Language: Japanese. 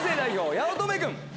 八乙女君。